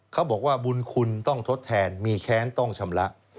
เขาบอกว่าบุญคุณต้องทดแทนมีแค้นต้องชำระ